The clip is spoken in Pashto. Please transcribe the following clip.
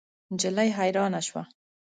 نجلۍ حیرانه شوه.